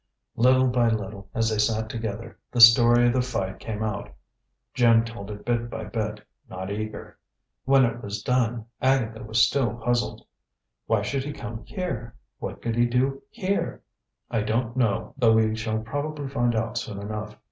Little by little, as they sat together, the story of the fight came out. Jim told it bit by bit, not eager. When it was done, Agatha was still puzzled. "Why should he come here? What could he do here?" "I don't know, though we shall probably find out soon enough.